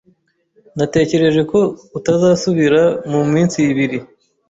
Natekereje ko utazasubira muminsi ibiri.